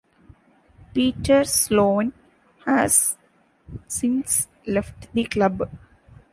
Peter Sloane has since left the club.